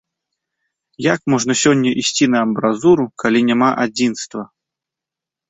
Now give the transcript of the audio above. Як можна сёння ісці на амбразуру, калі няма адзінства?